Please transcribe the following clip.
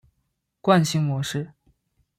惯性模式。